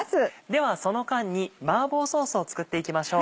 ではその間に麻婆ソースを作っていきましょう。